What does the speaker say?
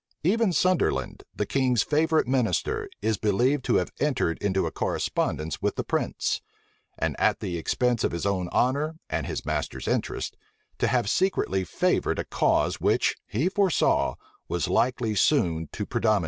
Even Sunderland, the king's favorite minister, is believed to have entered into a correspondence with the prince; and, at the expense of his own honor and his master's interests, to have secretly favored a cause which, he foresaw, was likely soon to predominate.